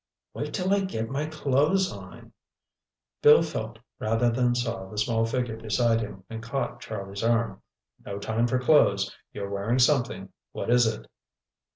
"Wait till I get my clothes on—" Bill felt rather than saw the small figure beside him and caught Charlie's arm. "No time for clothes. You're wearing something—what is it?"